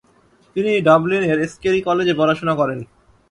তিনি ডাবলিনের স্কেরি কলেজে পড়াশুনা করেন।